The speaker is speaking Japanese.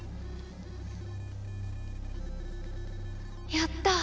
やった！